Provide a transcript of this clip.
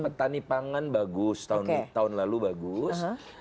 petani pangan bagus tahun lalu bagus